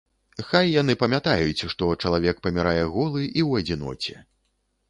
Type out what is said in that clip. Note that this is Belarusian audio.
Хай яны памятаюць, што чалавек памірае голы і ў адзіноце.